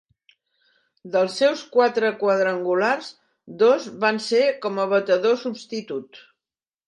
Dels seus quatre quadrangulars, dos van ser com a batedor substitut.